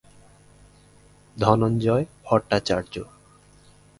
Dhananjay Bhattacharya